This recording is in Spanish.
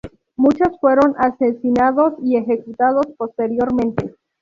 Muchos fueron asesinados y ejecutados posteriormente.